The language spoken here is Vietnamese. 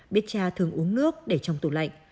biết cha thường uống nước để trong tủ lạnh